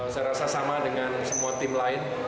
saya rasa sama dengan semua tim lain